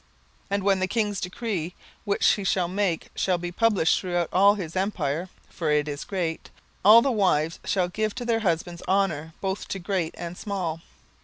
17:001:020 And when the king's decree which he shall make shall be published throughout all his empire, (for it is great,) all the wives shall give to their husbands honour, both to great and small.